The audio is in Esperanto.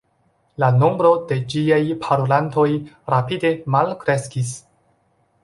La nombro de ĝiaj parolantoj rapide malkreskis.